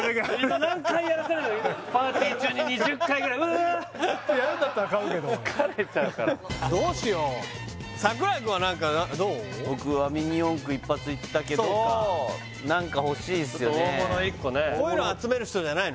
何回やらせるのパーティー中に２０回ぐらいうわーっやるんだったら買うけど疲れちゃうからどうしよう僕はミニ四駆一発いったけどそうか大物１個ねこういうの集める人じゃないの？